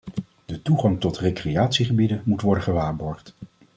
De toegang tot recreatiegebieden moet worden gewaarborgd.